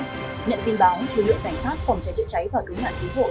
nhận tin báo thư lượng cảnh sát phòng cháy chữa cháy và cứu mạng cứu hộ